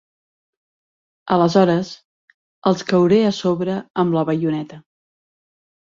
Aleshores els cauré a sobre amb la baioneta.